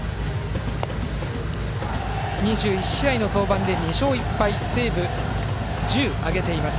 ２１試合の登板で２勝１敗セーブ１０挙げています。